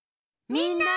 みんな！